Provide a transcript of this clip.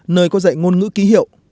nơi có dạy ngôn ngữ ký hiệu